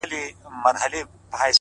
اخلاق د انسان تر شتمنۍ لوړ دي!